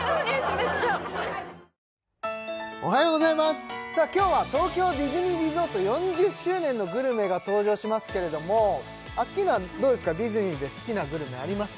めっちゃおはようございますさあ今日は東京ディズニーリゾート４０周年のグルメが登場しますけれどもアッキーナはどうですかディズニーで好きなグルメあります？